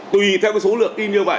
tùy theo số lượng y như vậy